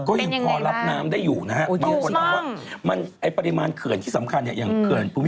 ก็ยังพอรับน้ำได้อยู่นะฮะบางคนว่าไอ้ปริมาณเครื่องที่สำคัญอย่างเกินภูมิพล